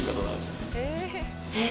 えっ？